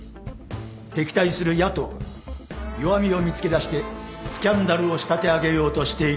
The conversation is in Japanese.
敵対する野党が弱みを見つけだしてスキャンダルを仕立て上げようとしていると思われる。